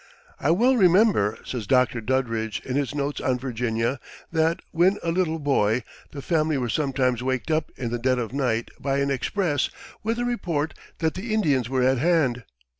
"I well remember," says Dr. Doddridge in his Notes on Virginia, "that when a little boy the family were sometimes waked up in the dead of night by an express with a report that the Indians were at hand.